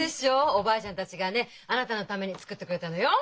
おばあちゃんたちがねあなたのために作ってくれたのよ。